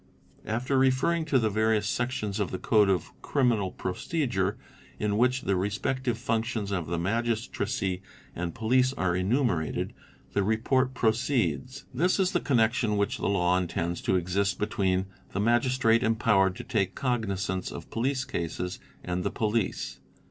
After referring to the various Sections of the Code of Criminal Procedure in which the respective func tions of the Magistracy and Police are enumerated, the Report proceeds : "This is the connection which the law intends to exist between the Magistrate empowered to take cognizance of police cases and the police.